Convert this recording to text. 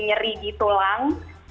nyeri di tulang